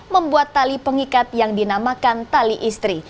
membuat tali pengikat yang dinamakan tali istri